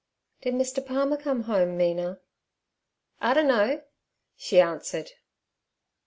'Did Mr. Palmer come home, Mina?' 'I dunno' she answered.